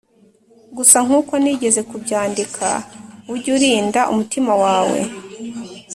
gusa nkuko nigeze kubyandika ujye urinda umutima wawe,